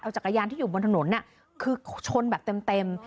จักรยานที่อยู่บนถนนคือชนแบบเต็ม